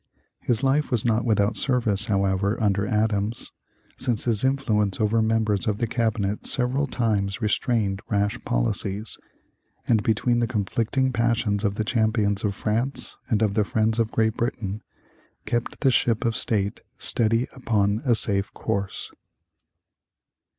His life was not without service, however, under Adams, since his influence over members of the cabinet several times restrained rash policies, and between the conflicting passions of the champions of France and of the friends of Great Britain, kept the ship of state steady upon a safe course.